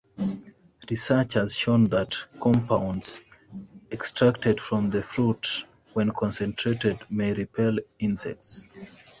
Research has shown that compounds extracted from the fruit, when concentrated, may repel insects.